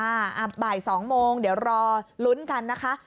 อ่ะปร่อยบ่ายสองโมงเดี๋ยวรอลุ้นกันนะคะ